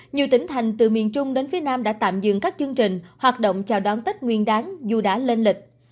nhiều tỉnh thành từ miền trung đến phía nam đã tạm dừng các chương trình hoạt động chào đón tết nguyên đáng dù đã lên lịch